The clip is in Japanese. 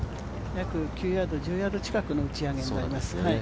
９ヤード、１０ヤード近くの打ち上げになりますね。